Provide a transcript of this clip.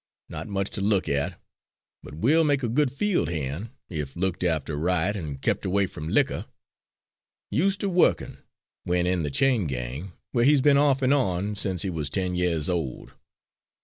Not much to look at, but will make a good field hand, if looked after right and kept away from liquor; used to workin', when in the chain gang, where he's been, off and on, since he was ten years old.